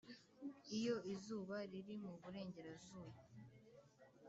'iyo izuba riri mu burengerazuba